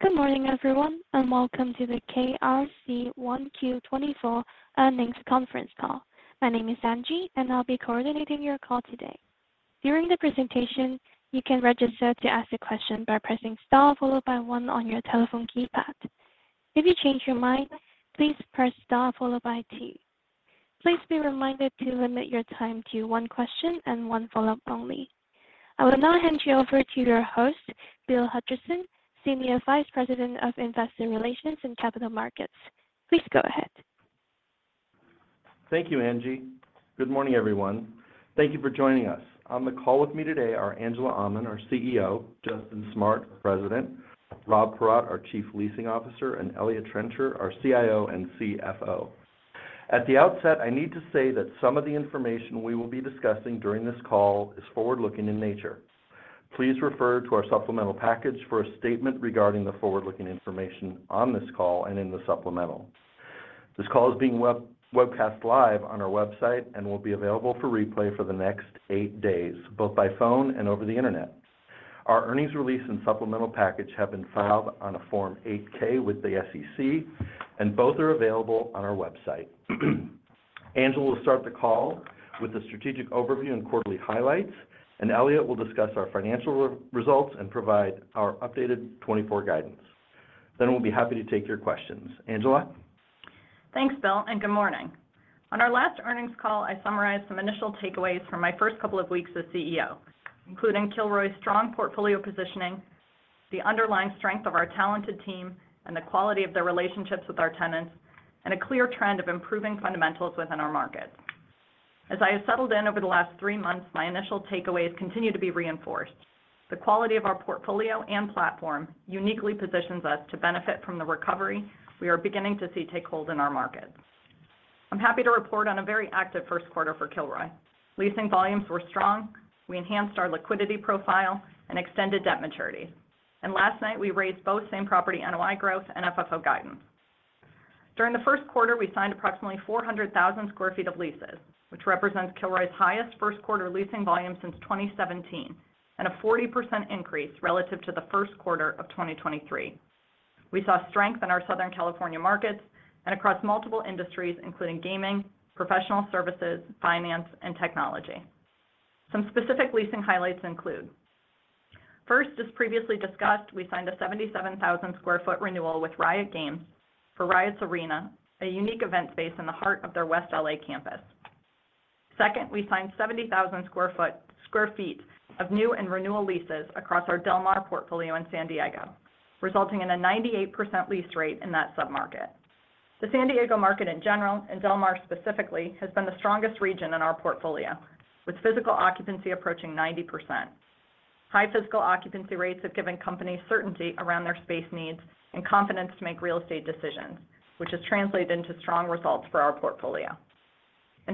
Good morning, everyone, and welcome to the KRC Q1 2024 earnings conference call. My name is Angie, and I'll be coordinating your call today. During the presentation, you can register to ask a question by pressing star followed by one on your telephone keypad. If you change your mind, please press star followed by two. Please be reminded to limit your time to one question and one follow-up only. I will now hand you over to your host, Bill Hutchison, Senior Vice President of Investor Relations and Capital Markets. Please go ahead. Thank you, Angie. Good morning, everyone. Thank you for joining us. On the call with me today are Angela Aman, our CEO; Justin Smart, President; Rob Paratte, our Chief Leasing Officer; and Eliott Trencher, our CIO and CFO. At the outset, I need to say that some of the information we will be discussing during this call is forward-looking in nature. Please refer to our supplemental package for a statement regarding the forward-looking information on this call and in the supplemental. This call is being webcast live on our website and will be available for replay for the next 8 days, both by phone and over the internet. Our earnings release and supplemental package have been filed on a Form 8-K with the SEC, and both are available on our website. Angela will start the call with a strategic overview and quarterly highlights, and Eliott will discuss our financial results and provide our updated 2024 guidance. Then we'll be happy to take your questions. Angela? Thanks, Bill, and good morning. On our last earnings call, I summarized some initial takeaways from my first couple of weeks as CEO, including Kilroy's strong portfolio positioning, the underlying strength of our talented team and the quality of their relationships with our tenants, and a clear trend of improving fundamentals within our markets. As I have settled in over the last three months, my initial takeaways continue to be reinforced. The quality of our portfolio and platform uniquely positions us to benefit from the recovery we are beginning to see take hold in our markets. I'm happy to report on a very active first quarter for Kilroy. Leasing volumes were strong. We enhanced our liquidity profile and extended debt maturity. And last night, we raised both same property NOI growth and FFO guidance. During the first quarter, we signed approximately 400,000 sq ft of leases, which represents Kilroy's highest first quarter leasing volume since 2017 and a 40% increase relative to the first quarter of 2023. We saw strength in our Southern California markets and across multiple industries, including gaming, professional services, finance, and technology. Some specific leasing highlights include: First, as previously discussed, we signed a 77,000 sq ft renewal with Riot Games for Riot's Arena, a unique event space in the heart of their West L.A. campus. Second, we signed 70,000 sq ft of new and renewal leases across our Del Mar portfolio in San Diego, resulting in a 98% lease rate in that submarket. The San Diego market in general and Del Mar specifically has been the strongest region in our portfolio, with physical occupancy approaching 90%. High physical occupancy rates have given companies certainty around their space needs and confidence to make real estate decisions, which has translated into strong results for our portfolio.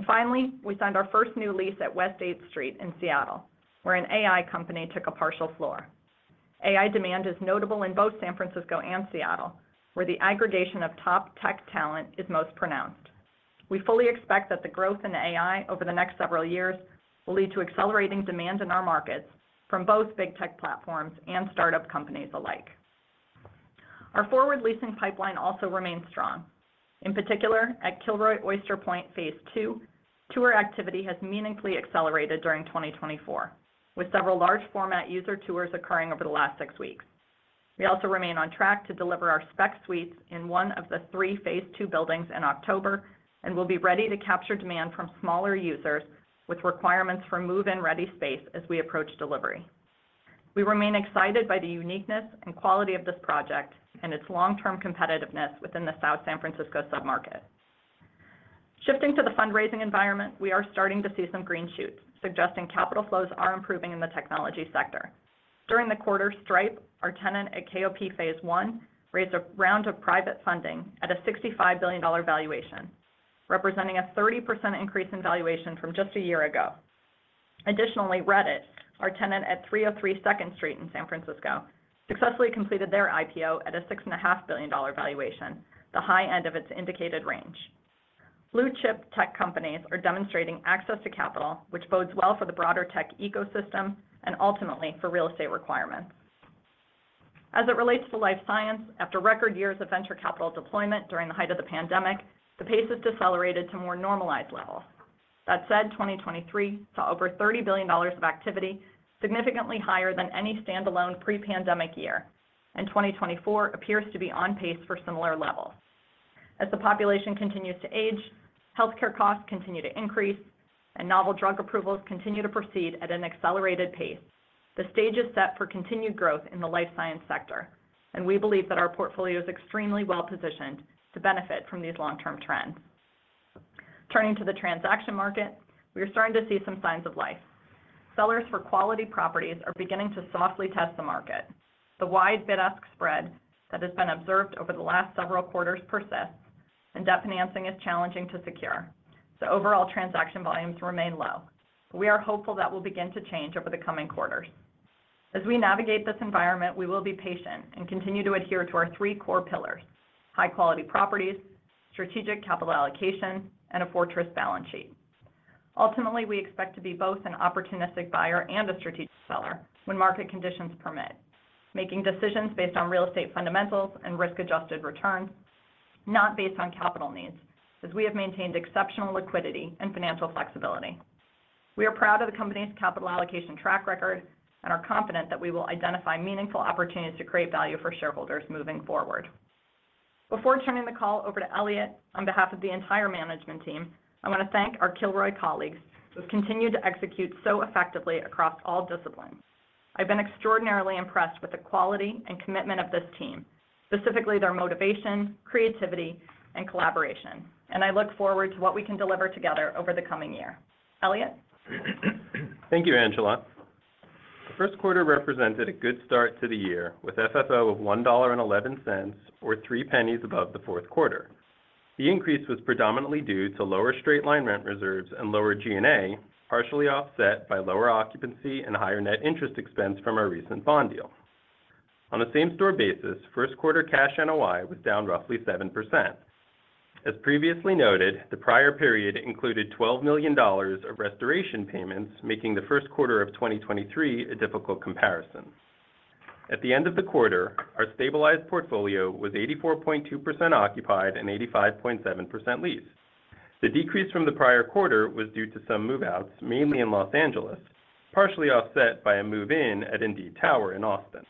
Finally, we signed our first new lease at West 8th Street in Seattle, where an AI company took a partial floor. AI demand is notable in both San Francisco and Seattle, where the aggregation of top tech talent is most pronounced. We fully expect that the growth in AI over the next several years will lead to accelerating demand in our markets from both big tech platforms and startup companies alike. Our forward leasing pipeline also remains strong. In particular, at Kilroy Oyster Point Phase II, tour activity has meaningfully accelerated during 2024, with several large-format user tours occurring over the last six weeks. We also remain on track to deliver our spec suites in one of the three Phase II buildings in October and will be ready to capture demand from smaller users with requirements for move-in-ready space as we approach delivery. We remain excited by the uniqueness and quality of this project and its long-term competitiveness within the South San Francisco submarket. Shifting to the fundraising environment, we are starting to see some green shoots, suggesting capital flows are improving in the technology sector. During the quarter, Stripe, our tenant at KOP Phase I, raised a round of private funding at a $65 billion valuation, representing a 30% increase in valuation from just a year ago. Additionally, Reddit, our tenant at 303 Second Street in San Francisco, successfully completed their IPO at a $6.5 billion valuation, the high end of its indicated range. Blue chip tech companies are demonstrating access to capital, which bodes well for the broader tech ecosystem and ultimately for real estate requirements. As it relates to life science, after record years of venture capital deployment during the height of the pandemic, the pace has decelerated to more normalized levels. That said, 2023 saw over $30 billion of activity, significantly higher than any standalone pre-pandemic year, and 2024 appears to be on pace for similar levels. As the population continues to age, healthcare costs continue to increase, and novel drug approvals continue to proceed at an accelerated pace, the stage is set for continued growth in the life science sector, and we believe that our portfolio is extremely well-positioned to benefit from these long-term trends. Turning to the transaction market, we are starting to see some signs of life. Sellers for quality properties are beginning to softly test the market. The wide bid-ask spread that has been observed over the last several quarters persists, and debt financing is challenging to secure, so overall transaction volumes remain low. We are hopeful that will begin to change over the coming quarters. As we navigate this environment, we will be patient and continue to adhere to our three core pillars: high-quality properties, strategic capital allocation, and a fortress balance sheet. Ultimately, we expect to be both an opportunistic buyer and a strategic seller when market conditions permit, making decisions based on real estate fundamentals and risk-adjusted returns, not based on capital needs, as we have maintained exceptional liquidity and financial flexibility. We are proud of the company's capital allocation track record and are confident that we will identify meaningful opportunities to create value for shareholders moving forward. Before turning the call over to Eliott, on behalf of the entire management team, I want to thank our Kilroy colleagues who have continued to execute so effectively across all disciplines. I've been extraordinarily impressed with the quality and commitment of this team, specifically their motivation, creativity, and collaboration, and I look forward to what we can deliver together over the coming year. Eliott? Thank you, Angela. The first quarter represented a good start to the year with FFO of $1.11 or $0.03 above the fourth quarter. The increase was predominantly due to lower straight-line rent reserves and lower G&A, partially offset by lower occupancy and higher net interest expense from our recent bond deal. On a same-store basis, first-quarter cash NOI was down roughly 7%. As previously noted, the prior period included $12 million of restoration payments, making the first quarter of 2023 a difficult comparison. At the end of the quarter, our stabilized portfolio was 84.2% occupied and 85.7% leased. The decrease from the prior quarter was due to some move-outs, mainly in Los Angeles, partially offset by a move-in at Indeed Tower in Austin.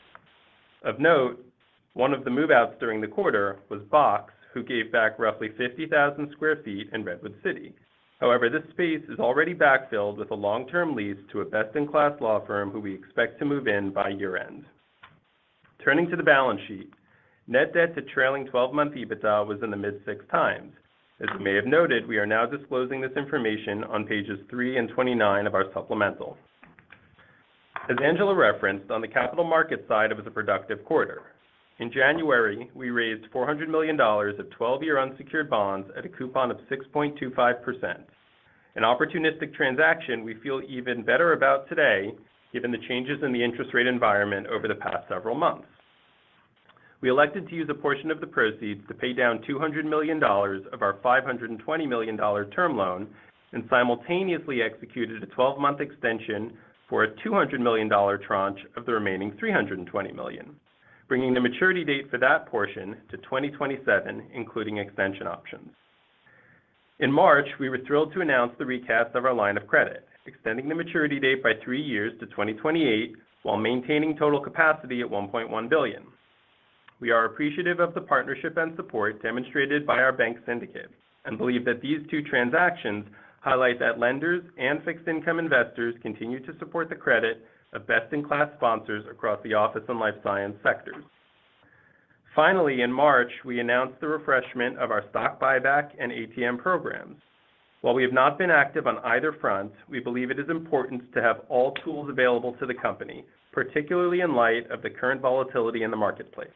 Of note, one of the move-outs during the quarter was Box, who gave back roughly 50,000 sq ft in Redwood City. However, this space is already backfilled with a long-term lease to a best-in-class law firm who we expect to move in by year-end. Turning to the balance sheet, net debt to trailing 12-month EBITDA was in the mid-6x. As you may have noted, we are now disclosing this information on pages 3 and 29 of our supplemental. As Angela referenced, on the capital market side it was a productive quarter. In January, we raised $400 million of 12-year unsecured bonds at a coupon of 6.25%, an opportunistic transaction we feel even better about today given the changes in the interest rate environment over the past several months. We elected to use a portion of the proceeds to pay down $200 million of our $520 million term loan and simultaneously executed a 12-month extension for a $200 million tranche of the remaining $320 million, bringing the maturity date for that portion to 2027, including extension options. In March, we were thrilled to announce the recast of our line of credit, extending the maturity date by three years to 2028 while maintaining total capacity at $1.1 billion. We are appreciative of the partnership and support demonstrated by our bank syndicate and believe that these two transactions highlight that lenders and fixed-income investors continue to support the credit of best-in-class sponsors across the office and life science sectors. Finally, in March, we announced the refreshment of our stock buyback and ATM programs. While we have not been active on either front, we believe it is important to have all tools available to the company, particularly in light of the current volatility in the marketplace.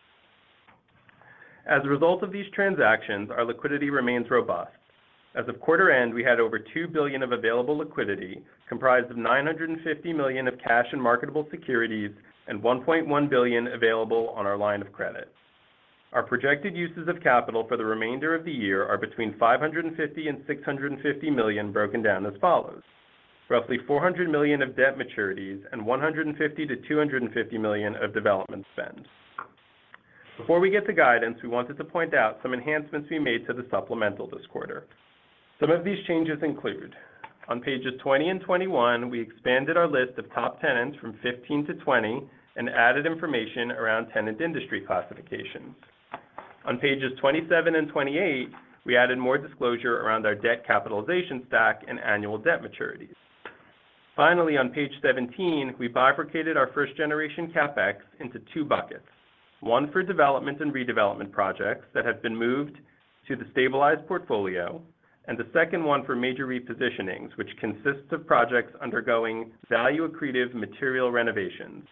As a result of these transactions, our liquidity remains robust. As of quarter-end, we had over $2 billion of available liquidity, comprised of $950 million of cash and marketable securities and $1.1 billion available on our line of credit. Our projected uses of capital for the remainder of the year are between $550 million-$650 million, broken down as follows: roughly $400 million of debt maturities and $150-$250 million of development spend. Before we get to guidance, we wanted to point out some enhancements we made to the supplemental this quarter. Some of these changes include: on pages 20 and 21, we expanded our list of top tenants from 15 to 20 and added information around tenant industry classifications. On pages 27 and 28, we added more disclosure around our debt capitalization stack and annual debt maturities. Finally, on page 17, we bifurcated our first-generation CapEx into two buckets: one for development and redevelopment projects that have been moved to the stabilized portfolio, and the second one for major repositionings, which consists of projects undergoing value-accretive material renovations.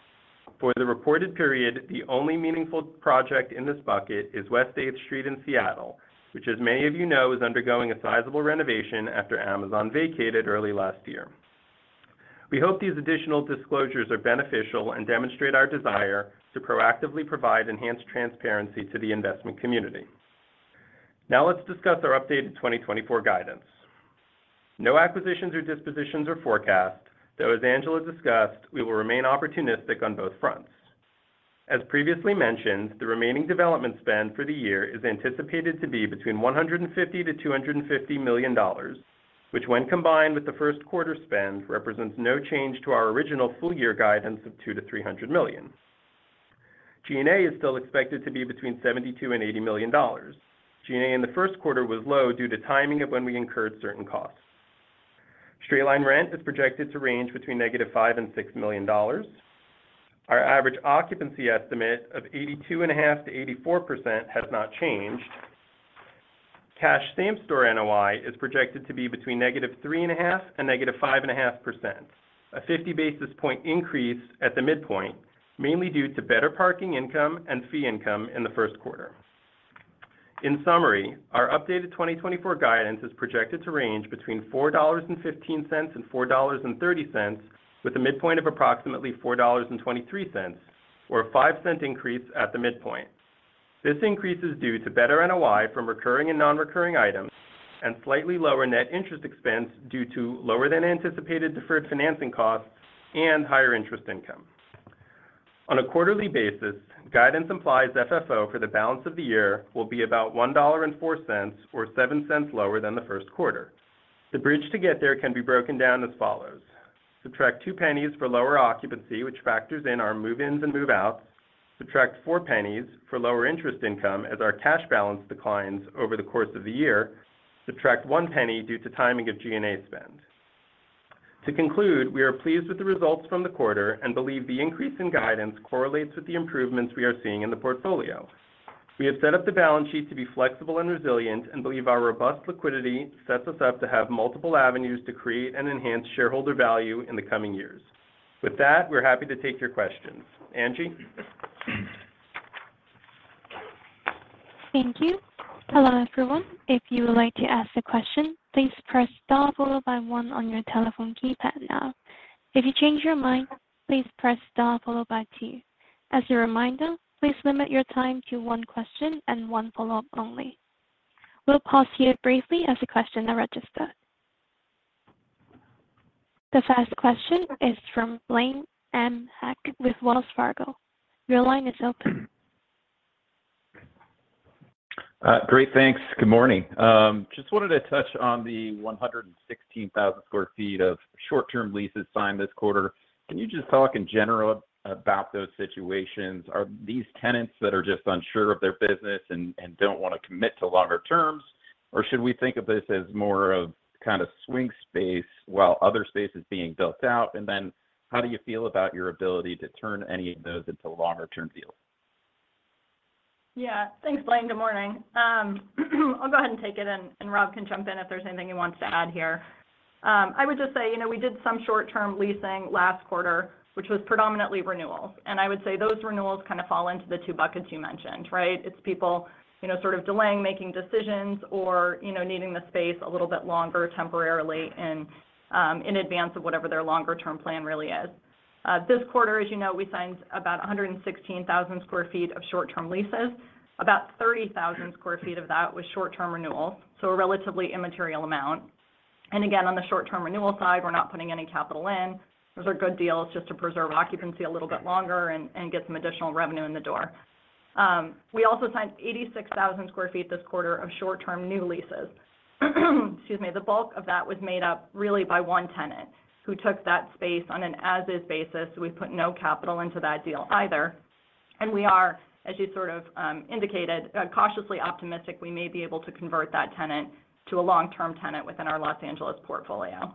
For the reported period, the only meaningful project in this bucket is West 8th Street in Seattle, which, as many of you know, is undergoing a sizable renovation after Amazon vacated early last year. We hope these additional disclosures are beneficial and demonstrate our desire to proactively provide enhanced transparency to the investment community. Now let's discuss our updated 2024 guidance. No acquisitions or dispositions are forecast, though, as Angela discussed, we will remain opportunistic on both fronts. As previously mentioned, the remaining development spend for the year is anticipated to be between $150 million-$250 million, which, when combined with the first-quarter spend, represents no change to our original full-year guidance of $200 million-$300 million. G&A is still expected to be between $72 million-$80 million. G&A in the first quarter was low due to timing of when we incurred certain costs. Straight-line rent is projected to range between -$5 million and $6 million. Our average occupancy estimate of 82.5%-84% has not changed. Cash same-store NOI is projected to be between -3.5% and -5.5%, a 50 basis point increase at the midpoint, mainly due to better parking income and fee income in the first quarter. In summary, our updated 2024 guidance is projected to range between $4.15-$4.30, with a midpoint of approximately $4.23 or a $0.05 increase at the midpoint. This increase is due to better NOI from recurring and non-recurring items and slightly lower net interest expense due to lower-than-anticipated deferred financing costs and higher interest income. On a quarterly basis, guidance implies FFO for the balance of the year will be about $1.04 or $0.07 lower than the first quarter. The bridge to get there can be broken down as follows: subtract $0.02 for lower occupancy, which factors in our move-ins and move-outs. Subtract $0.04 for lower interest income as our cash balance declines over the course of the year. Subtract $0.01 due to timing of G&A spend. To conclude, we are pleased with the results from the quarter and believe the increase in guidance correlates with the improvements we are seeing in the portfolio. We have set up the balance sheet to be flexible and resilient and believe our robust liquidity sets us up to have multiple avenues to create and enhance shareholder value in the coming years. With that, we're happy to take your questions. Angie? Thank you. Hello, everyone. If you would like to ask a question, please press star followed by one on your telephone keypad now. If you change your mind, please press star followed by two. As a reminder, please limit your time to one question and one follow-up only. We'll pause here briefly as a question is registered. The first question is from Blaine Heck with Wells Fargo. Your line is open. Great, thanks. Good morning. Just wanted to touch on the 116,000 sq ft of short-term leases signed this quarter. Can you just talk in general about those situations? Are these tenants that are just unsure of their business and don't want to commit to longer terms, or should we think of this as more of kind of swing space while other spaces being built out? And then how do you feel about your ability to turn any of those into longer-term deals? Yeah, thanks, Blaine. Good morning. I'll go ahead and take it, and Rob can jump in if there's anything he wants to add here. I would just say we did some short-term leasing last quarter, which was predominantly renewals. And I would say those renewals kind of fall into the two buckets you mentioned, right? It's people sort of delaying making decisions or needing the space a little bit longer temporarily in advance of whatever their longer-term plan really is. This quarter, as you know, we signed about 116,000 sq ft of short-term leases. About 30,000 sq ft of that was short-term renewals, so a relatively immaterial amount. And again, on the short-term renewal side, we're not putting any capital in. Those are good deals just to preserve occupancy a little bit longer and get some additional revenue in the door. We also signed 86,000 sq ft this quarter of short-term new leases. Excuse me. The bulk of that was made up really by one tenant who took that space on an as-is basis. We put no capital into that deal either. And we are, as you sort of indicated, cautiously optimistic we may be able to convert that tenant to a long-term tenant within our Los Angeles portfolio.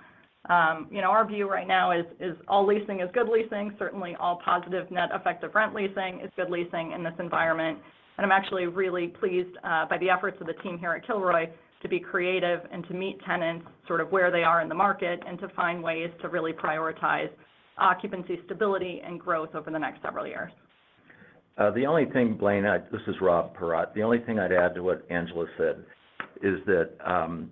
Our view right now is all leasing is good leasing. Certainly, all positive net effective rent leasing is good leasing in this environment. And I'm actually really pleased by the efforts of the team here at Kilroy to be creative and to meet tenants sort of where they are in the market and to find ways to really prioritize occupancy stability and growth over the next several years. The only thing, Blaine, this is Rob Paratte. The only thing I'd add to what Angela said is that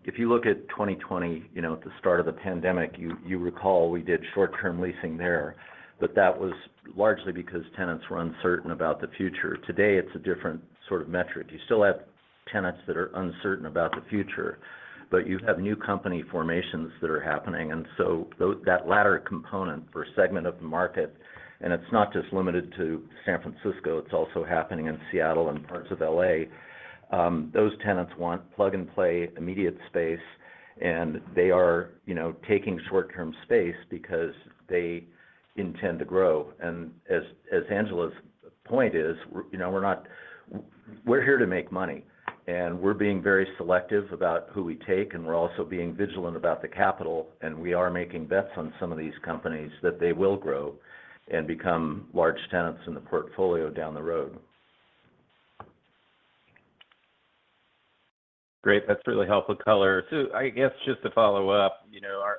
if you look at 2020, at the start of the pandemic, you recall we did short-term leasing there, but that was largely because tenants were uncertain about the future. Today, it's a different sort of metric. You still have tenants that are uncertain about the future, but you have new company formations that are happening. And so that latter component or segment of the market, and it's not just limited to San Francisco. It's also happening in Seattle and parts of L.A. Those tenants want plug-and-play immediate space, and they are taking short-term space because they intend to grow. And as Angela's point is, we're here to make money, and we're being very selective about who we take, and we're also being vigilant about the capital. We are making bets on some of these companies that they will grow and become large tenants in the portfolio down the road. Great. That's really helpful color. I guess just to follow up,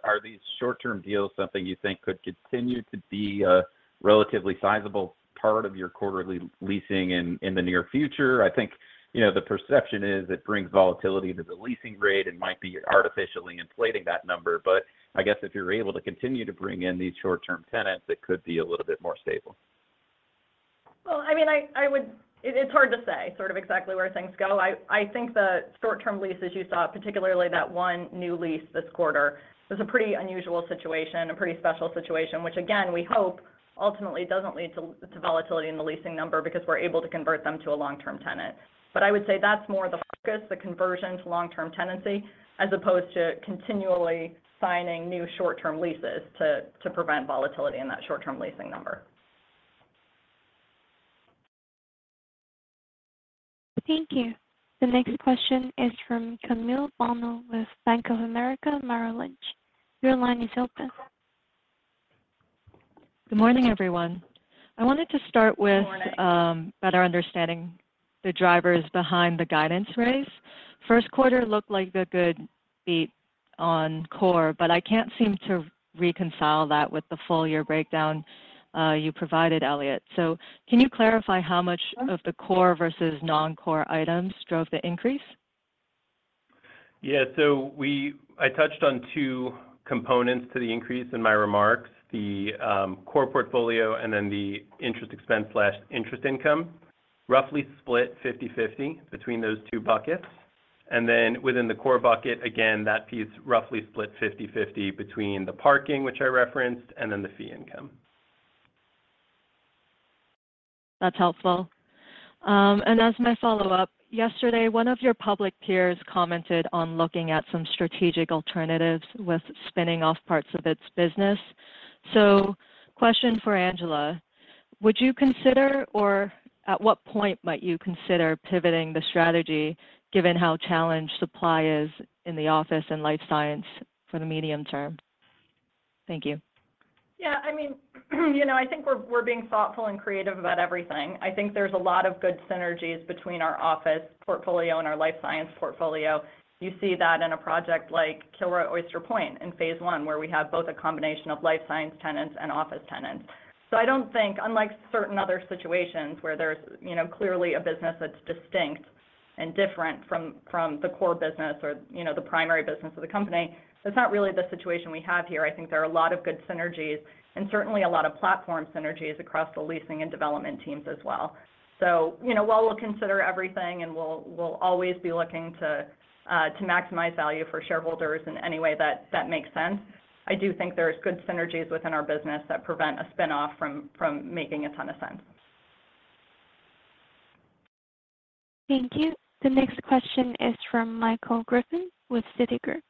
are these short-term deals something you think could continue to be a relatively sizable part of your quarterly leasing in the near future? I think the perception is it brings volatility to the leasing rate and might be artificially inflating that number. I guess if you're able to continue to bring in these short-term tenants, it could be a little bit more stable. Well, I mean, it's hard to say sort of exactly where things go. I think the short-term leases you saw, particularly that one new lease this quarter, was a pretty unusual situation, a pretty special situation, which, again, we hope ultimately doesn't lead to volatility in the leasing number because we're able to convert them to a long-term tenant. But I would say that's more the focus, the conversion to long-term tenancy, as opposed to continually signing new short-term leases to prevent volatility in that short-term leasing number. Thank you. The next question is from Camille Bonnel with Bank of America Merrill Lynch. Your line is open. Good morning, everyone. I wanted to start with better understanding the drivers behind the guidance raise. First quarter looked like a good beat on core, but I can't seem to reconcile that with the full-year breakdown you provided, Eliott. Can you clarify how much of the core versus non-core items drove the increase? Yeah. So I touched on two components to the increase in my remarks: the core portfolio and then the interest expense/interest income, roughly split 50/50 between those two buckets. And then within the core bucket, again, that piece roughly split 50/50 between the parking, which I referenced, and then the fee income. That's helpful. As my follow-up, yesterday, one of your public peers commented on looking at some strategic alternatives with spinning off parts of its business. So, question for Angela. Would you consider, or at what point might you consider pivoting the strategy given how challenged supply is in the office and life science for the medium term? Thank you. Yeah. I mean, I think we're being thoughtful and creative about everything. I think there's a lot of good synergies between our office portfolio and our life science portfolio. You see that in a project like Kilroy Oyster Point in phase one, where we have both a combination of life science tenants and office tenants. So I don't think, unlike certain other situations where there's clearly a business that's distinct and different from the core business or the primary business of the company, that's not really the situation we have here. I think there are a lot of good synergies and certainly a lot of platform synergies across the leasing and development teams as well. While we'll consider everything and we'll always be looking to maximize value for shareholders in any way that makes sense, I do think there's good synergies within our business that prevent a spin-off from making a ton of sense. Thank you. The next question is from Michael Griffin with Citigroup.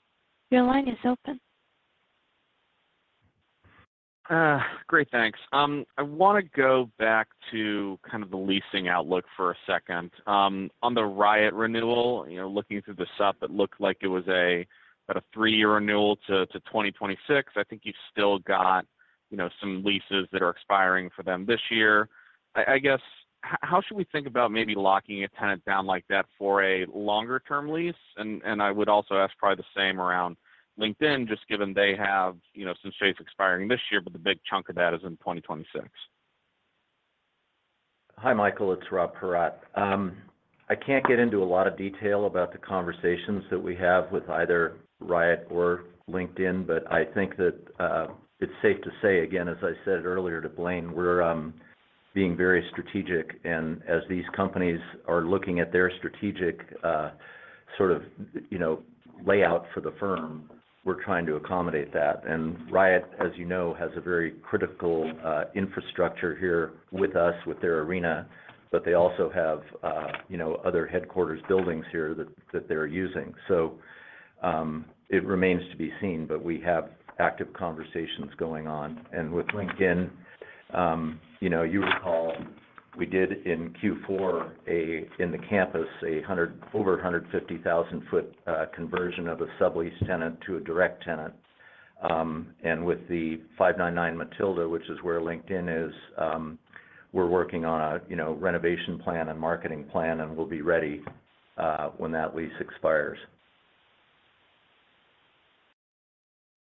Your line is open. Great, thanks. I want to go back to kind of the leasing outlook for a second. On the Riot renewal, looking through the SUP, it looked like it was about a 3-year renewal to 2026. I think you've still got some leases that are expiring for them this year. I guess, how should we think about maybe locking a tenant down like that for a longer-term lease? And I would also ask probably the same around LinkedIn, just given they have since some space is expiring this year, but the big chunk of that is in 2026. Hi, Michael. It's Rob Paratte. I can't get into a lot of detail about the conversations that we have with either Riot or LinkedIn, but I think that it's safe to say, again, as I said earlier to Blaine, we're being very strategic. And as these companies are looking at their strategic sort of layout for the firm, we're trying to accommodate that. And Riot, as you know, has a very critical infrastructure here with us, with their arena, but they also have other headquarters buildings here that they're using. So it remains to be seen, but we have active conversations going on. And with LinkedIn, you recall we did in Q4, in the campus, an over 150,000 ft conversion of a sublease tenant to a direct tenant. With the 599 Mathilda, which is where LinkedIn is, we're working on a renovation plan and marketing plan, and we'll be ready when that lease expires.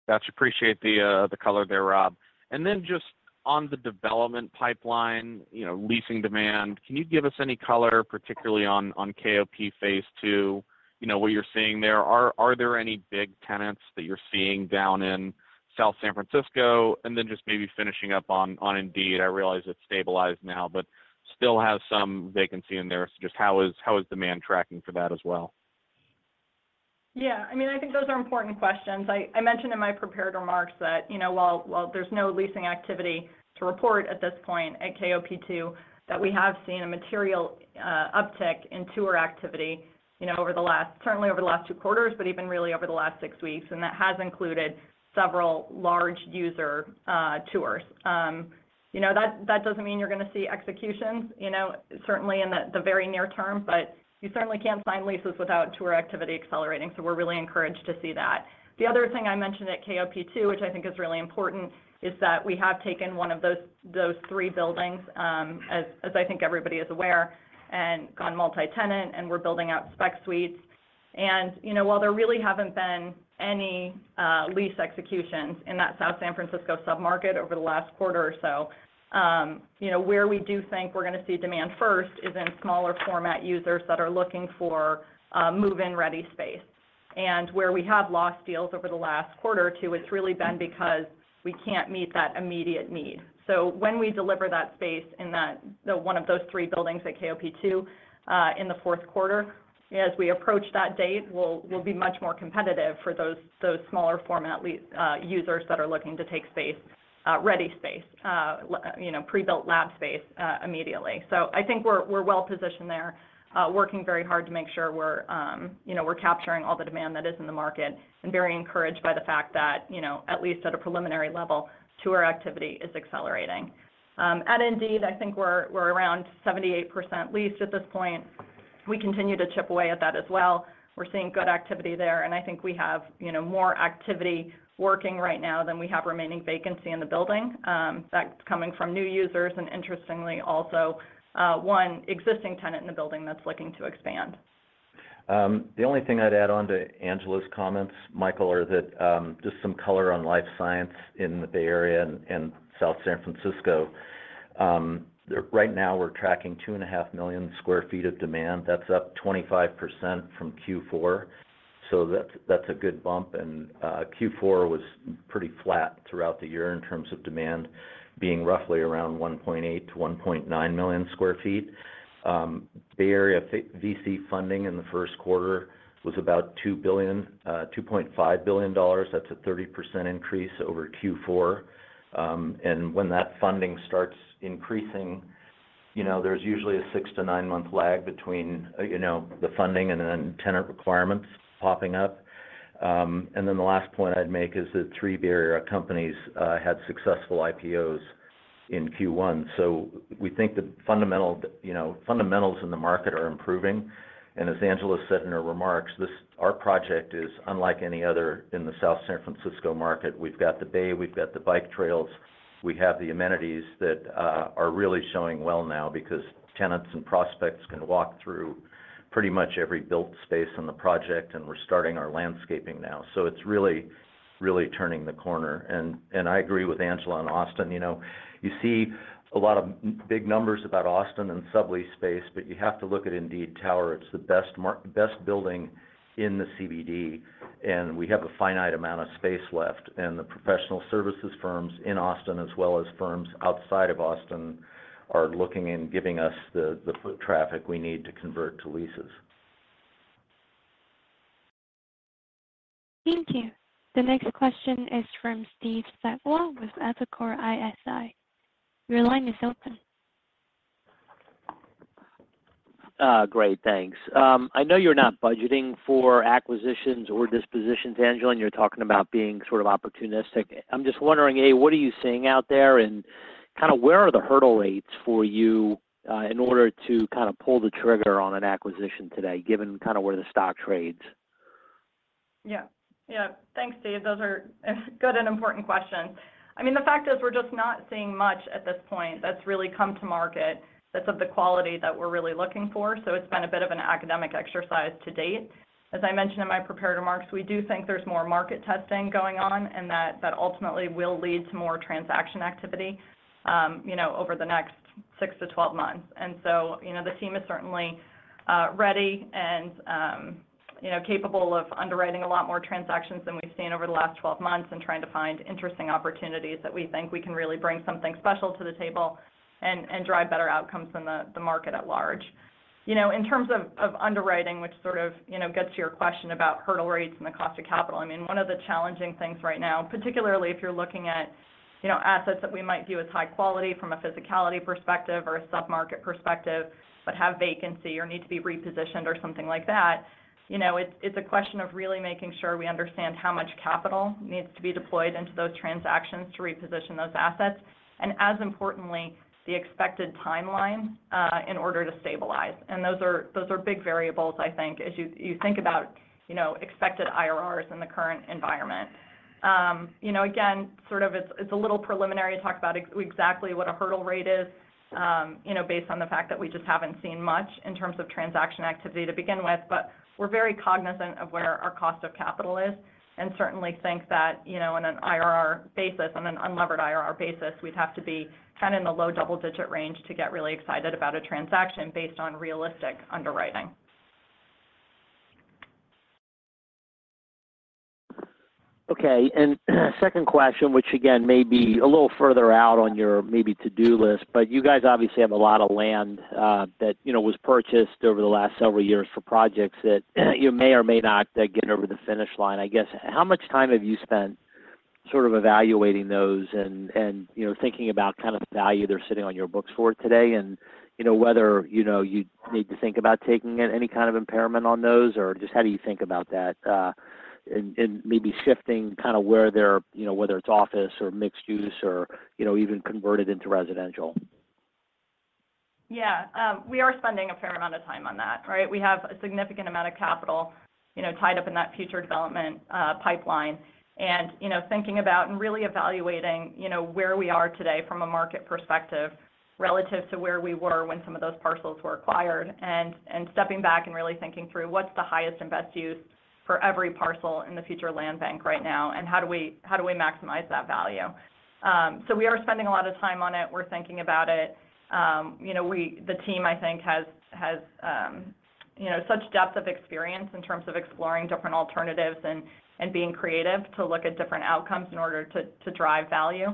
Gotcha. Appreciate the color there, Rob. And then just on the development pipeline, leasing demand, can you give us any color, particularly on KOP phase II, what you're seeing there? Are there any big tenants that you're seeing down in South San Francisco? And then just maybe finishing up on Indeed. I realize it's stabilized now, but still has some vacancy in there. So just how is demand tracking for that as well? Yeah. I mean, I think those are important questions. I mentioned in my prepared remarks that while there's no leasing activity to report at this point at KOP2, that we have seen a material uptick in tour activity certainly over the last two quarters, but even really over the last six weeks. That has included several large user tours. That doesn't mean you're going to see executions, certainly in the very near term, but you certainly can't sign leases without tour activity accelerating. So we're really encouraged to see that. The other thing I mentioned at KOP2, which I think is really important, is that we have taken one of those three buildings, as I think everybody is aware, and gone multi-tenant, and we're building out spec suites. While there really haven't been any lease executions in that South San Francisco submarket over the last quarter or so, where we do think we're going to see demand first is in smaller format users that are looking for move-in-ready space. Where we have lost deals over the last quarter or two, it's really been because we can't meet that immediate need. When we deliver that space in one of those three buildings at KOP2 in the fourth quarter, as we approach that date, we'll be much more competitive for those smaller format users that are looking to take ready space, pre-built lab space immediately. I think we're well-positioned there, working very hard to make sure we're capturing all the demand that is in the market and very encouraged by the fact that, at least at a preliminary level, tour activity is accelerating. At Indeed, I think we're around 78% leased at this point. We continue to chip away at that as well. We're seeing good activity there. And I think we have more activity working right now than we have remaining vacancy in the building that's coming from new users and, interestingly, also one existing tenant in the building that's looking to expand. The only thing I'd add on to Angela's comments, Michael, are just some color on life science in the Bay Area and South San Francisco. Right now, we're tracking 2.5 million sq ft of demand. That's up 25% from Q4. So that's a good bump. And Q4 was pretty flat throughout the year in terms of demand being roughly around 1.8 million-1.9 million sq ft. Bay Area VC funding in the first quarter was about $2.5 billion. That's a 30% increase over Q4. And when that funding starts increasing, there's usually a 6-9-month lag between the funding and then tenant requirements popping up. And then the last point I'd make is that 3 Bay Area companies had successful IPOs in Q1. So we think the fundamentals in the market are improving. As Angela said in her remarks, our project is unlike any other in the South San Francisco market. We've got the bay. We've got the bike trails. We have the amenities that are really showing well now because tenants and prospects can walk through pretty much every built space in the project. We're starting our landscaping now. It's really, really turning the corner. I agree with Angela and Austin. You see a lot of big numbers about Austin and sublease space, but you have to look at Indeed Tower. It's the best building in the CBD. We have a finite amount of space left. The professional services firms in Austin, as well as firms outside of Austin, are looking and giving us the foot traffic we need to convert to leases. Thank you. The next question is from Steve Sakwa with Evercore ISI. Your line is open. Great. Thanks. I know you're not budgeting for acquisitions or dispositions, Angela. And you're talking about being sort of opportunistic. I'm just wondering, A, what are you seeing out there? And kind of where are the hurdle rates for you in order to kind of pull the trigger on an acquisition today, given kind of where the stock trades? Yeah. Yeah. Thanks, Steve. Those are good and important questions. I mean, the fact is we're just not seeing much at this point that's really come to market that's of the quality that we're really looking for. So it's been a bit of an academic exercise to date. As I mentioned in my prepared remarks, we do think there's more market testing going on and that ultimately will lead to more transaction activity over the next 6-12 months. And so the team is certainly ready and capable of underwriting a lot more transactions than we've seen over the last 12 months and trying to find interesting opportunities that we think we can really bring something special to the table and drive better outcomes than the market at large. In terms of underwriting, which sort of gets to your question about hurdle rates and the cost of capital, I mean, one of the challenging things right now, particularly if you're looking at assets that we might view as high quality from a physicality perspective or a submarket perspective but have vacancy or need to be repositioned or something like that, it's a question of really making sure we understand how much capital needs to be deployed into those transactions to reposition those assets. As importantly, the expected timeline in order to stabilize. Those are big variables, I think, as you think about expected IRRs in the current environment. Again, sort of it's a little preliminary to talk about exactly what a hurdle rate is based on the fact that we just haven't seen much in terms of transaction activity to begin with. But we're very cognizant of where our cost of capital is and certainly think that on an IRR basis, on an unlevered IRR basis, we'd have to be kind of in the low double-digit range to get really excited about a transaction based on realistic underwriting. Okay. Second question, which again may be a little further out on your maybe to-do list, but you guys obviously have a lot of land that was purchased over the last several years for projects that may or may not get over the finish line. I guess, how much time have you spent sort of evaluating those and thinking about kind of the value they're sitting on your books for today and whether you need to think about taking any kind of impairment on those? Or just how do you think about that and maybe shifting kind of where they're, whether it's office or mixed-use or even converted into residential? Yeah. We are spending a fair amount of time on that, right? We have a significant amount of capital tied up in that future development pipeline. And thinking about and really evaluating where we are today from a market perspective relative to where we were when some of those parcels were acquired and stepping back and really thinking through what's the highest and best use for every parcel in the future land bank right now, and how do we maximize that value? So we are spending a lot of time on it. We're thinking about it. The team, I think, has such depth of experience in terms of exploring different alternatives and being creative to look at different outcomes in order to drive value.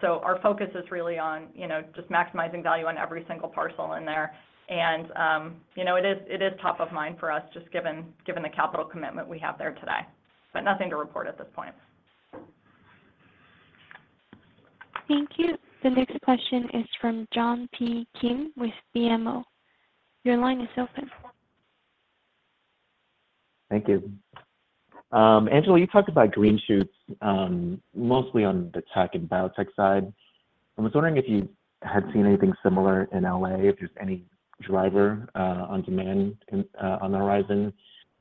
So our focus is really on just maximizing value on every single parcel in there. It is top of mind for us just given the capital commitment we have there today, but nothing to report at this point. Thank you. The next question is from John P. Kim with BMO. Your line is open. Thank you. Angela, you talked about green shoots mostly on the tech and biotech side. I was wondering if you had seen anything similar in LA, if there's any driver on demand on the horizon.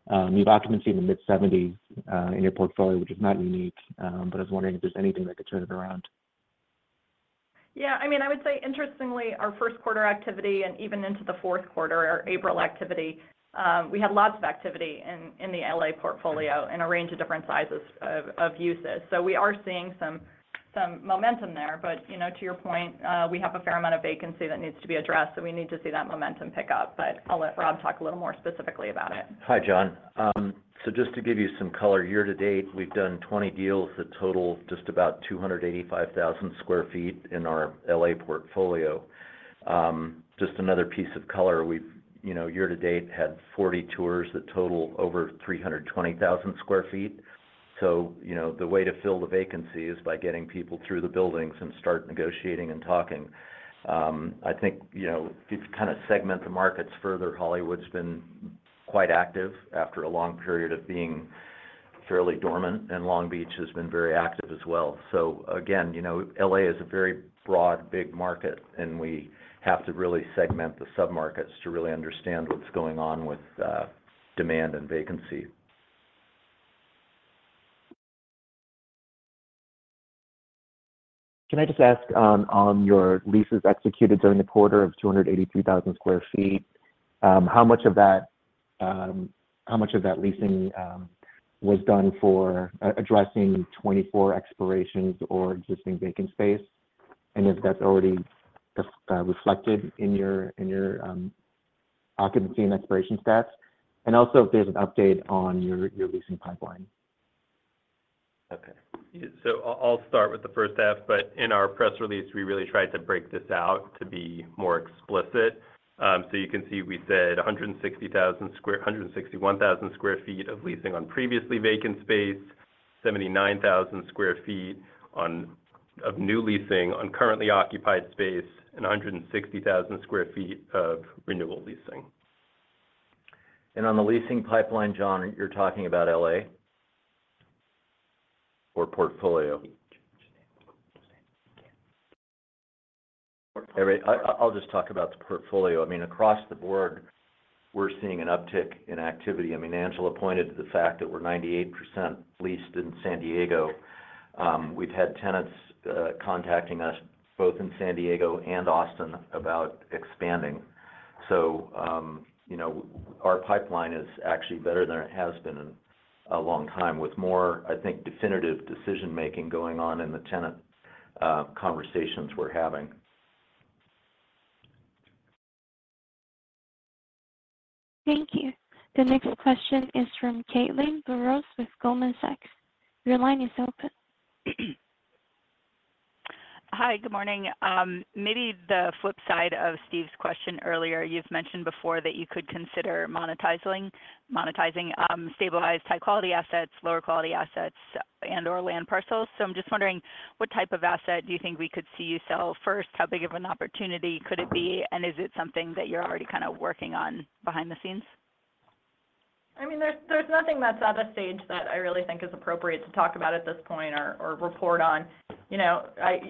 You have occupancy in the mid-70s in your portfolio, which is not unique. But I was wondering if there's anything that could turn it around. Yeah. I mean, I would say, interestingly, our first quarter activity and even into the fourth quarter, our April activity, we had lots of activity in the LA portfolio in a range of different sizes of uses. So we are seeing some momentum there. But to your point, we have a fair amount of vacancy that needs to be addressed. So we need to see that momentum pick up. But I'll let Rob talk a little more specifically about it. Hi, John. So just to give you some color, year to date, we've done 20 deals that total just about 285,000 sq ft in our L.A. portfolio. Just another piece of color, year to date, had 40 tours that total over 320,000 sq ft. So the way to fill the vacancy is by getting people through the buildings and start negotiating and talking. I think if you kind of segment the markets further, Hollywood's been quite active after a long period of being fairly dormant. And Long Beach has been very active as well. So again, L.A. is a very broad, big market. And we have to really segment the submarkets to really understand what's going on with demand and vacancy. Can I just ask, on your leases executed during the quarter of 283,000 sq ft, how much of that leasing was done for addressing 24 expirations or existing vacant space? And if that's already reflected in your occupancy and expiration stats? And also if there's an update on your leasing pipeline? Okay. I'll start with the first half. In our press release, we really tried to break this out to be more explicit. You can see we said 161,000 sq ft of leasing on previously vacant space, 79,000 sq ft of new leasing on currently occupied space, and 160,000 sq ft of renewal leasing. On the leasing pipeline, John, you're talking about LA or portfolio? Portfolio. I'll just talk about the portfolio. I mean, across the board, we're seeing an uptick in activity. I mean, Angela pointed to the fact that we're 98% leased in San Diego. We've had tenants contacting us both in San Diego and Austin about expanding. So our pipeline is actually better than it has been in a long time with more, I think, definitive decision-making going on in the tenant conversations we're having. Thank you. The next question is from Caitlin Burrows with Goldman Sachs. Your line is open. Hi. Good morning. Maybe the flip side of Steve's question earlier, you've mentioned before that you could consider monetizing stabilized, high-quality assets, lower-quality assets, and/or land parcels. So I'm just wondering, what type of asset do you think we could see you sell first? How big of an opportunity could it be? And is it something that you're already kind of working on behind the scenes? I mean, there's nothing that's at a stage that I really think is appropriate to talk about at this point or report on.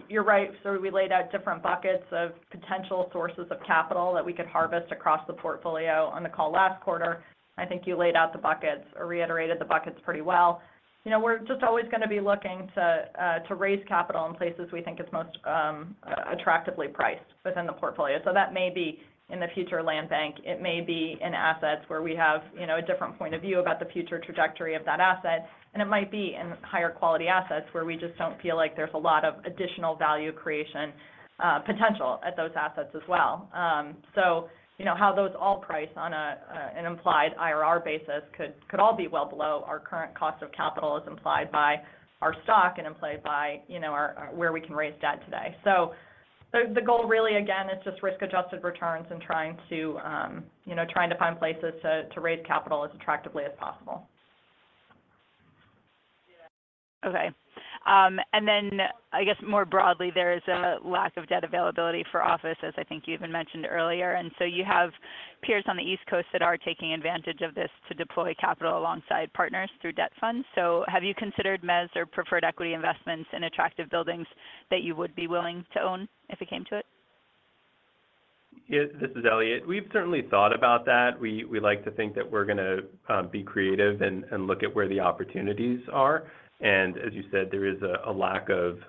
You're right. So we laid out different buckets of potential sources of capital that we could harvest across the portfolio on the call last quarter. I think you laid out the buckets or reiterated the buckets pretty well. We're just always going to be looking to raise capital in places we think it's most attractively priced within the portfolio. So that may be in the future land bank. It may be in assets where we have a different point of view about the future trajectory of that asset. And it might be in higher-quality assets where we just don't feel like there's a lot of additional value creation potential at those assets as well. So how those all price on an implied IRR basis could all be well below our current cost of capital as implied by our stock and implied by where we can raise debt today. So the goal really, again, is just risk-adjusted returns and trying to find places to raise capital as attractively as possible. Okay. And then I guess more broadly, there is a lack of debt availability for office, as I think you even mentioned earlier. And so you have peers on the East Coast that are taking advantage of this to deploy capital alongside partners through debt funds. So have you considered mezz or preferred equity investments in attractive buildings that you would be willing to own if it came to it? This is Eliott. We've certainly thought about that. We like to think that we're going to be creative and look at where the opportunities are. And as you said, there is a lack of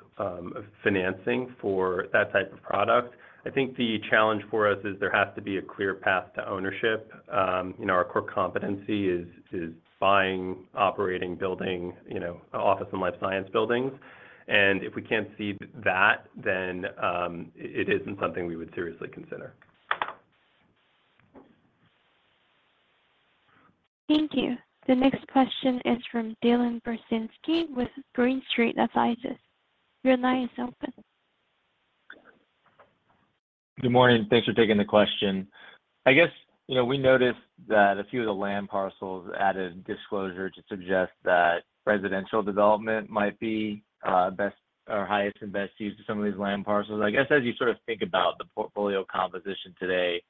financing for that type of product. I think the challenge for us is there has to be a clear path to ownership. Our core competency is buying, operating, building office and life science buildings. And if we can't see that, then it isn't something we would seriously consider. Thank you. The next question is from Dylan Burzinski with Green Street Advisors. Your line is open. Good morning. Thanks for taking the question. I guess we noticed that a few of the land parcels added disclosure to suggest that residential development might be best or highest and best used to some of these land parcels. I guess as you sort of think about the portfolio composition today,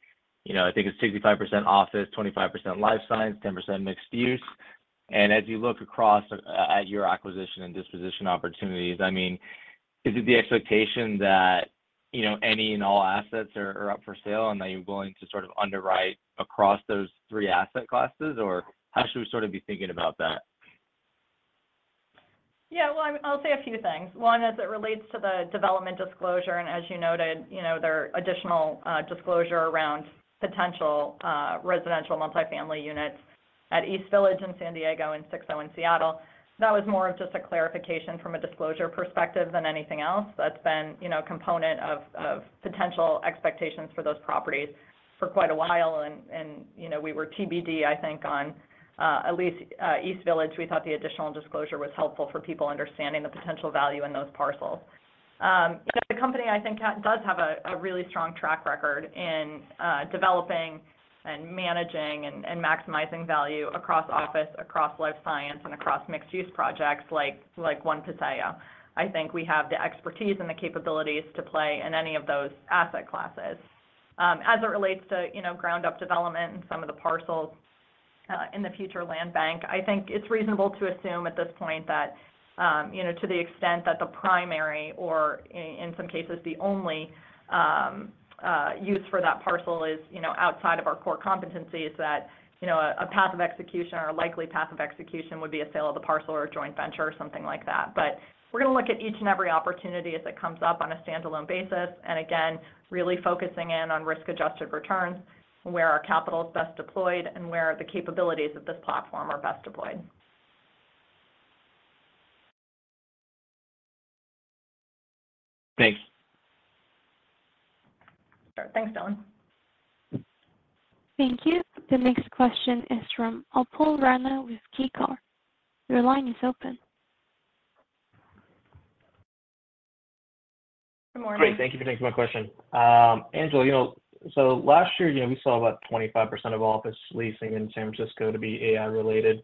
I think it's 65% office, 25% life science, 10% mixed use. And as you look across at your acquisition and disposition opportunities, I mean, is it the expectation that any and all assets are up for sale and that you're willing to sort of underwrite across those three asset classes? Or how should we sort of be thinking about that? Yeah. Well, I'll say a few things. One, as it relates to the development disclosure, and as you noted, there are additional disclosures around potential residential multifamily units at East Village in San Diego and 601 Seattle. That was more of just a clarification from a disclosure perspective than anything else that's been a component of potential expectations for those properties for quite a while. And we were TBD, I think, on at least East Village, we thought the additional disclosure was helpful for people understanding the potential value in those parcels. The company, I think, does have a really strong track record in developing and managing and maximizing value across office, across life science, and across mixed-use projects like One Paseo. I think we have the expertise and the capabilities to play in any of those asset classes. As it relates to ground-up development and some of the parcels in the future land bank, I think it's reasonable to assume at this point that to the extent that the primary or in some cases, the only use for that parcel is outside of our core competencies, that a path of execution or a likely path of execution would be a sale of the parcel or a joint venture or something like that. But we're going to look at each and every opportunity as it comes up on a standalone basis. And again, really focusing in on risk-adjusted returns, where our capital is best deployed, and where the capabilities of this platform are best deployed. Thanks. Sure. Thanks, Dylan. Thank you. The next question is from Upal Rana with KeyBanc. Your line is open. Good morning. Great. Thank you for taking my question. Angela, so last year, we saw about 25% of office leasing in San Francisco to be AI-related.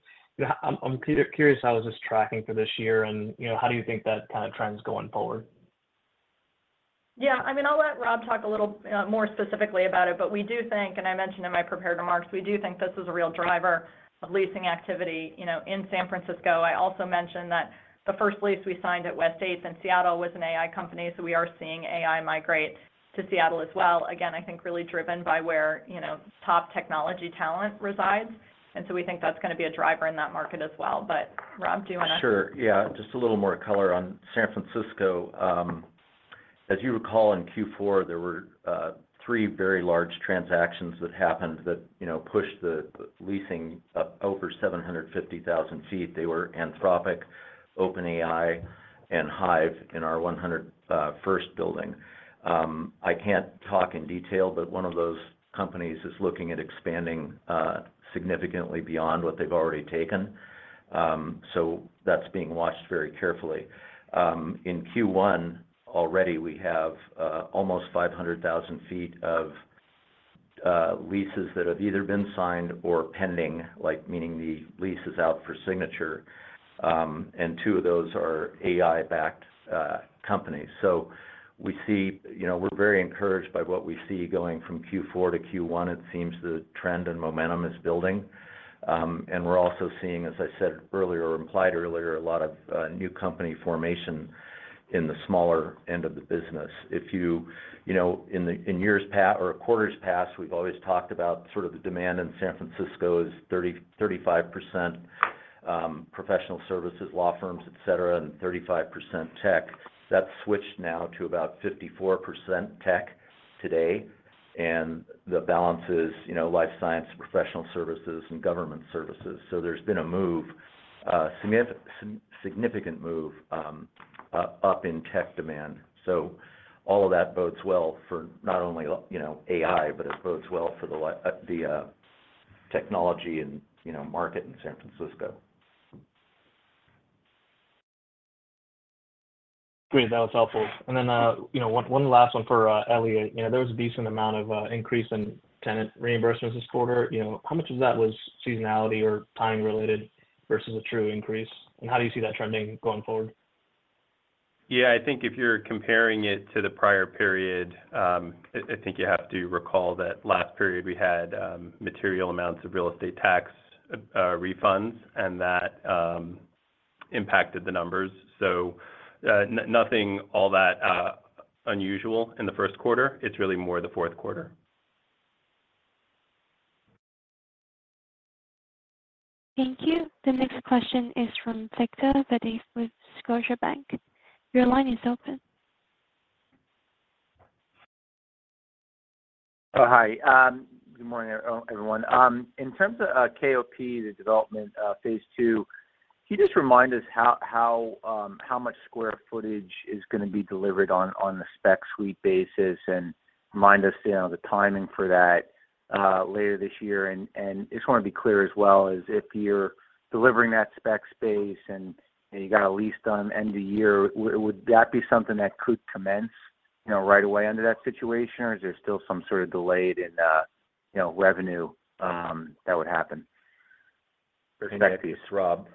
I'm curious how is this tracking for this year, and how do you think that kind of trend's going forward? Yeah. I mean, I'll let Rob talk a little more specifically about it. But we do think, and I mentioned in my prepared remarks, we do think this is a real driver of leasing activity in San Francisco. I also mentioned that the first lease we signed at West 8th Street in Seattle was an AI company. So we are seeing AI migrate to Seattle as well. Again, I think really driven by where top technology talent resides. And so we think that's going to be a driver in that market as well. But Rob, do you want to? Sure. Yeah. Just a little more color on San Francisco. As you recall, in Q4, there were three very large transactions that happened that pushed the leasing up over 750,000 sq ft. They were Anthropic, OpenAI, and Hive in our 100 First building. I can't talk in detail, but one of those companies is looking at expanding significantly beyond what they've already taken. So that's being watched very carefully. In Q1 already, we have almost 500,000 sq ft of leases that have either been signed or pending, meaning the lease is out for signature. And two of those are AI-backed companies. So we're very encouraged by what we see going from Q4 to Q1. It seems the trend and momentum is building. And we're also seeing, as I said earlier or implied earlier, a lot of new company formation in the smaller end of the business. If you in years past or quarters past, we've always talked about sort of the demand in San Francisco is 35% professional services, law firms, etc., and 35% tech. That's switched now to about 54% tech today. And the balance is life science, professional services, and government services. So there's been a move, a significant move up in tech demand. So all of that bodes well for not only AI, but it bodes well for the technology market in San Francisco. Great. That was helpful. And then one last one for Eliott. There was a decent amount of increase in tenant reimbursements this quarter. How much of that was seasonality or time-related versus a true increase? And how do you see that trending going forward? Yeah. I think if you're comparing it to the prior period, I think you have to recall that last period, we had material amounts of real estate tax refunds, and that impacted the numbers. So nothing all that unusual in the first quarter. It's really more the fourth quarter. Thank you. The next question is from Nick Yulico with Scotiabank. Your line is open. Hi. Good morning, everyone. In terms of KOP, the development phase two, can you just remind us how much square footage is going to be delivered on the spec suite basis and remind us the timing for that later this year? And I just want to be clear as well is if you're delivering that spec space and you got a lease done end of year, would that be something that could commence right away under that situation, or is there still some sort of delayed in revenue that would happen for spec pieces? Thanks, Rob.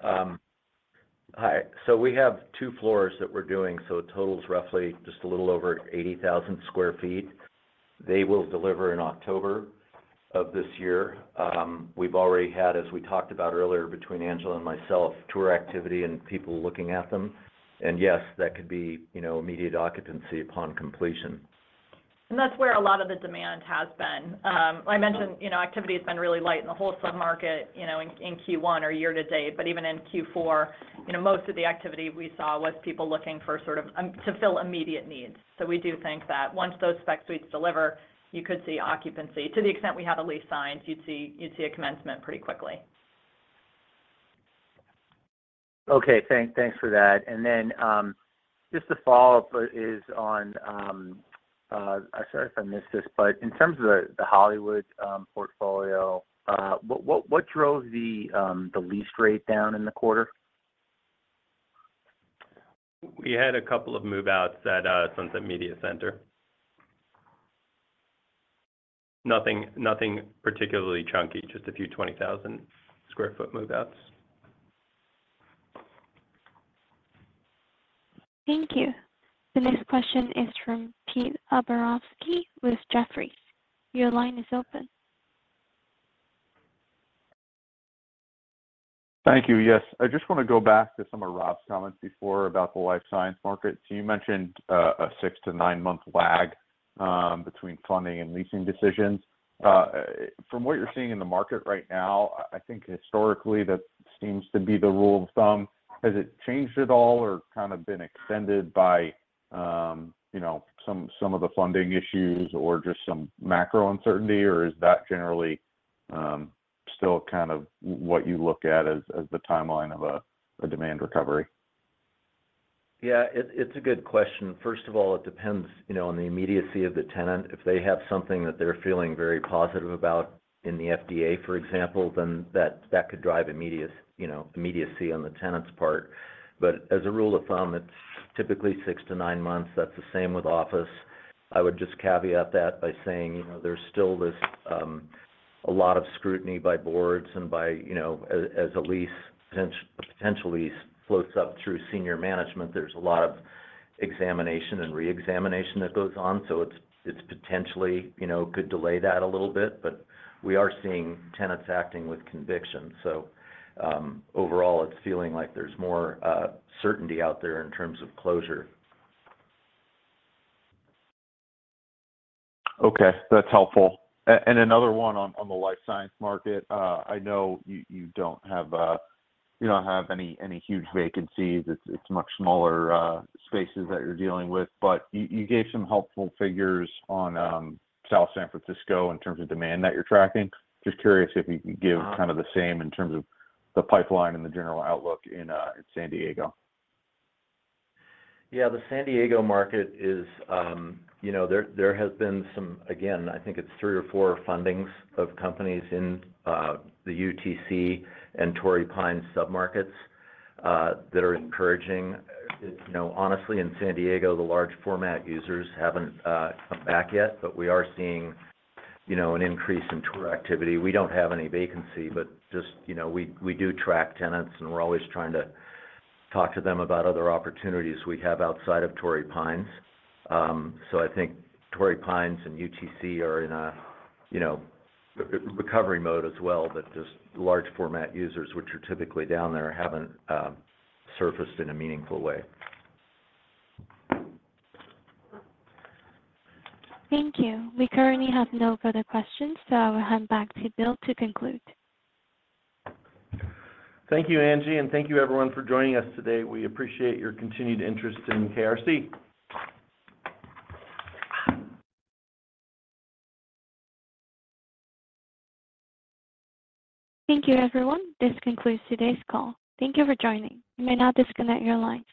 Hi. So we have two floors that we're doing. So total's roughly just a little over 80,000 sq ft. They will deliver in October of this year. We've already had, as we talked about earlier between Angela and myself, tour activity and people looking at them. And yes, that could be immediate occupancy upon completion. And that's where a lot of the demand has been. I mentioned activity has been really light in the whole submarket in Q1 or year to date. But even in Q4, most of the activity we saw was people looking for sort of to fill immediate needs. So we do think that once those spec suites deliver, you could see occupancy. To the extent we had a lease signed, you'd see a commencement pretty quickly. Okay. Thanks for that. And then just a follow-up is on, sorry if I missed this, but in terms of the Hollywood portfolio, what drove the lease rate down in the quarter? We had a couple of move-outs at Sunset Media Center. Nothing particularly chunky, just a few 20,000 sq ft move-outs. Thank you. The next question is from Peter Abramowitz with Jefferies. Your line is open. Thank you. Yes. I just want to go back to some of Rob's comments before about the life science market. So you mentioned a 6- to 9-month lag between funding and leasing decisions. From what you're seeing in the market right now, I think historically, that seems to be the rule of thumb. Has it changed at all or kind of been extended by some of the funding issues or just some macro uncertainty? Or is that generally still kind of what you look at as the timeline of a demand recovery? Yeah. It's a good question. First of all, it depends on the immediacy of the tenant. If they have something that they're feeling very positive about in the FDA, for example, then that could drive immediacy on the tenant's part. But as a rule of thumb, it's typically 6-9 months. That's the same with office. I would just caveat that by saying there's still a lot of scrutiny by boards. And as a lease, a potential lease floats up through senior management, there's a lot of examination and reexamination that goes on. So it potentially could delay that a little bit. But we are seeing tenants acting with conviction. So overall, it's feeling like there's more certainty out there in terms of closure. Okay. That's helpful. Another one on the life science market, I know you don't have any huge vacancies. It's much smaller spaces that you're dealing with. You gave some helpful figures on South San Francisco in terms of demand that you're tracking. Just curious if you could give kind of the same in terms of the pipeline and the general outlook in San Diego. Yeah. The San Diego market, there has been some again. I think it's 3 or 4 fundings of companies in the UTC and Torrey Pines submarkets that are encouraging. Honestly, in San Diego, the large format users haven't come back yet. But we are seeing an increase in tour activity. We don't have any vacancy, but just we do track tenants, and we're always trying to talk to them about other opportunities we have outside of Torrey Pines. So I think Torrey Pines and UTC are in a recovery mode as well. But just large format users, which are typically down there, haven't surfaced in a meaningful way. Thank you. We currently have no further questions. I will hand back to Bill to conclude. Thank you, Angie. Thank you, everyone, for joining us today. We appreciate your continued interest in KRC. Thank you, everyone. This concludes today's call. Thank you for joining. You may now disconnect your lines.